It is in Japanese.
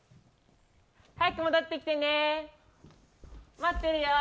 早く戻ってきてね。